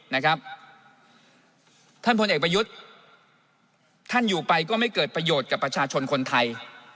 นะครับท่านพลเอกประยุทธ์ท่านอยู่ไปก็ไม่เกิดประโยชน์กับประชาชนคนไทย